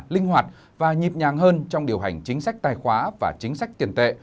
linh hoạt và nhịp nhàng hơn trong điều hành chính sách tài khoá và chính sách tiền tệ